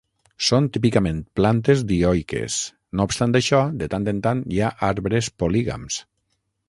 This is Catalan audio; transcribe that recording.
Són típicament plantes dioiques; no obstant això, de tant en tant hi ha arbres polígams.